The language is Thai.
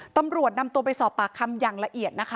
ตำรวจนำตัวไปสอบปากคำอย่างละเอียดนะคะ